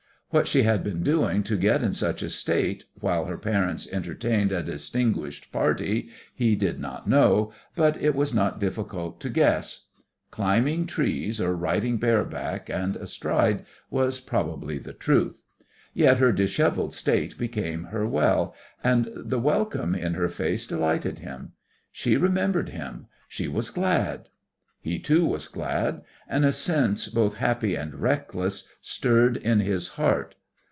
What she had been doing to get in such a state, while her parents entertained a "distinguished" party, he did not know, but it was not difficult to guess. Climbing trees or riding bareback and astride was probably the truth. Yet her dishevelled state became her well, and the welcome in her face delighted him. She remembered him, she was glad. He, too, was glad, and a sense both happy and reckless stirred in his heart.